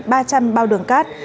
và hơn một ba trăm linh bộ đường cát